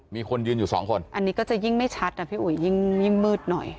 มีคนยืนอยู่สองคนอันนี้ก็จะยิ่งไม่ชัดอ่ะพี่อุ๋ยยิ่งมืดหน่อย